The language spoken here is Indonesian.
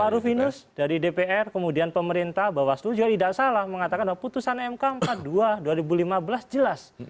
pak rufinus dari dpr kemudian pemerintah bawaslu juga tidak salah mengatakan bahwa putusan mk empat puluh dua dua ribu lima belas jelas